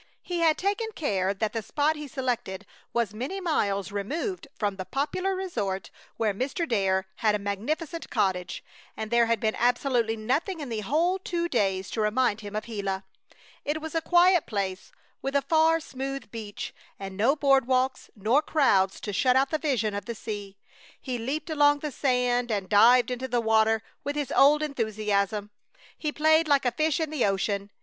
He had taken care that the spot he selected was many miles removed from the popular resort where Mr. Dare had a magnificent cottage; and there had been absolutely nothing in the whole two days to remind him of Gila. It was a quiet place, with a far, smooth beach, and no board walks nor crowds to shut out the vision of the sea. He leaped along the sand and dived into the water with his old enthusiasm. He played like a fish in the ocean.